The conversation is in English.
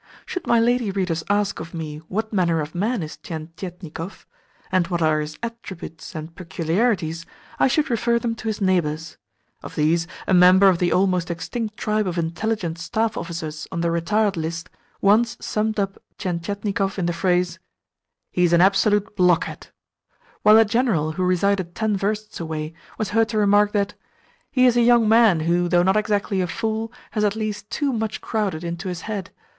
Should my lady readers ask of me what manner of man is Tientietnikov, and what are his attributes and peculiarities, I should refer them to his neighbours. Of these, a member of the almost extinct tribe of intelligent staff officers on the retired list once summed up Tientietnikov in the phrase, "He is an absolute blockhead;" while a General who resided ten versts away was heard to remark that "he is a young man who, though not exactly a fool, has at least too much crowded into his head.